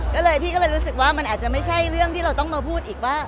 ก็เลยพี่ก็เลยรู้สึกว่ามันอาจจะไม่ใช่เรื่องที่เราต้องมาพูดอีกว่า